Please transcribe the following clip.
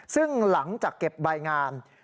ซึ่งหลังจากเก็บใบงาน